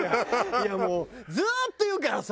いやもうずっと言うからさ。